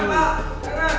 jangan pak jangan